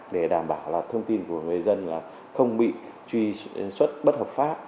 để đảm bảo là thông tin của người dân là không bị truy xuất bất hợp pháp